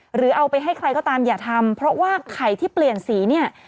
หรือเอาไปให้ใครก็ตามอย่าทำเพราะว่าไข่ที่เปลี่ยนสีเนี่ย